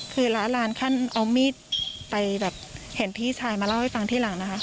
คือล้าลานขั้นเอามีดไปแบบเห็นพี่ชายมาเล่าให้ฟังที่หลังนะคะ